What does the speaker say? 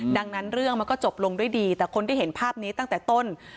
ดังนั้นเรื่องมันก็จบลงด้วยดีแต่คนที่เห็นภาพนี้ตั้งแต่ต้น